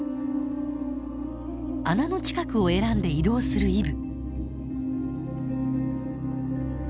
穴の近くを選んで移動するイブ。